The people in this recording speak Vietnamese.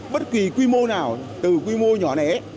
bất kỳ quy mô nào từ quy mô nhỏ này